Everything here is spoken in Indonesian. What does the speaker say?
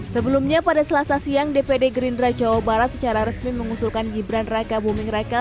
sebelumnya pada selasa siang dpd gerindra jawa barat secara resmi mengusulkan gibran raka buming raka